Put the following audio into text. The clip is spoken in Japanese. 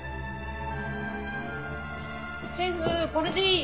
・シェフこれでいい？